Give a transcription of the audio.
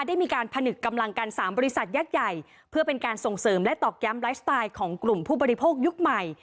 ได้มีการผนึกกำลังกัน๓บริษัทยักษ์ใหญ่เพื่อเป็นการส่งเสริมและตอกย้ำไลฟ์สไตล์ของกลุ่มผู้บริโภคยุคใหม่